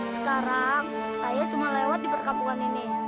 sekarang saya cuma lewat di perkampungan ini